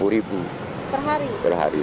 rp sepuluh per hari